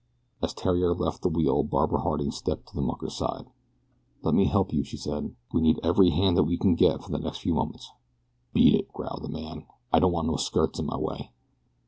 As Theriere left the wheel Barbara Harding stepped to the mucker's side. "Let me help you," she said. "We need every hand that we can get for the next few moments." "Beat it," growled the man. "I don't want no skirts in my way."